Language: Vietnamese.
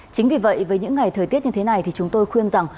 chính vì vậy với những ngày thời tiết như thế này thì chúng tôi khuyên rằng